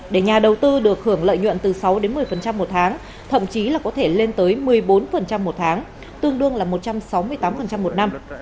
để nhà đầu tư được hưởng lợi nhuận từ sáu đến một mươi một tháng thậm chí là có thể lên tới một mươi bốn một tháng tương đương là một trăm sáu mươi tám một năm